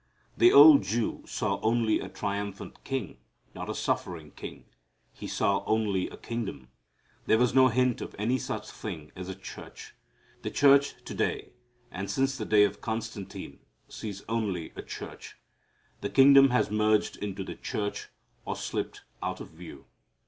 The old Jew saw only a triumphant king, not a suffering king. He saw only a kingdom. There was no hint of any such thing as a church. The church to day, and since the day of Constantine, sees only a church. The kingdom has merged into the church or slipped out of view.